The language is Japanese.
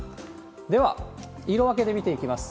では、色分けで見ていきます。